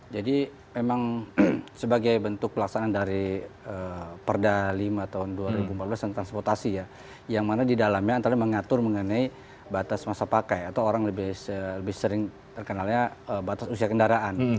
jadi memang sebagai bentuk pelaksanaan dari perda lima tahun dua ribu empat belas dan transportasi ya yang mana di dalamnya antara mengatur mengenai batas masa pakai atau orang lebih sering terkenalnya batas usia kendaraan